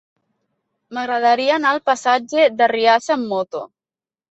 M'agradaria anar al passatge d'Arriassa amb moto.